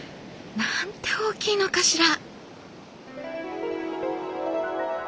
なんて大きいのかしら」。